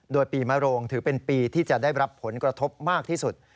โดยปีมโรงถือเป็นปีที่จะได้รับผลกระทบมากที่สุด